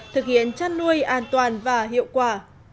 thực hiện chăn nuôi an toàn và hiệu quả